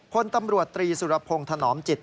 พลตำรวจตรีสุรพงศ์ถนอมจิต